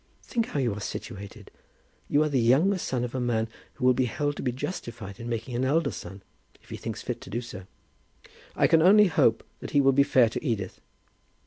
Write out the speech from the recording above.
Think how you are situated. You are the younger son of a man who will be held to be justified in making an elder son, if he thinks fit to do so." "I can only hope that he will be fair to Edith.